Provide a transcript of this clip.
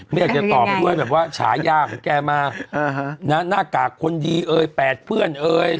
ไม่อยากจะตอบด้วยแบบว่าฉายาของแกมาหน้ากากคนดีเอ่ยแปดเพื่อนเอ่ย